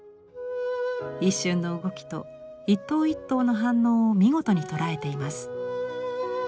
一瞬の動きと一頭一頭の反応を見事に捉えています。